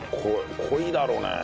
濃いだろうね。